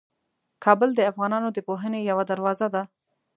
کابل د افغانانو د پوهنې یوه دروازه ده.